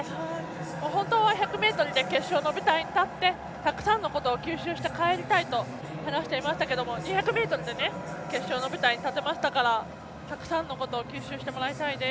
本当は１００ｍで決勝の舞台に立ってたくさんのことを吸収して帰りたいと話していましたが２００ｍで決勝の舞台に立てましたからたくさんのことを吸収してもらいたいです。